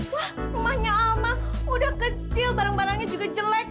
wah rumahnya sama udah kecil barang barangnya juga jelek